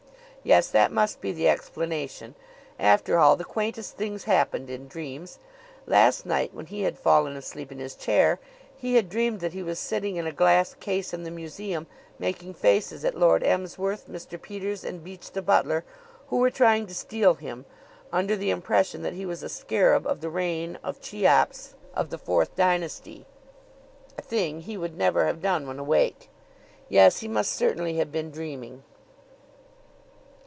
Yes, that must be the explanation. After all, the quaintest things happened in dreams. Last night, when he had fallen asleep in his chair, he had dreamed that he was sitting in a glass case in the museum, making faces at Lord Emsworth, Mr. Peters, and Beach, the butler, who were trying to steal him, under the impression that he was a scarab of the reign of Cheops of the Fourth Dynasty a thing he would never have done when awake. Yes; he must certainly have been dreaming.